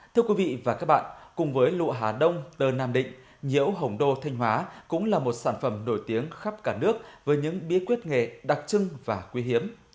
thưa quý vị và các bạn cùng với lụa hà đông tơ nam định nhiễu hồng đô thanh hóa cũng là một sản phẩm nổi tiếng khắp cả nước với những bí quyết nghệ đặc trưng và quý hiếm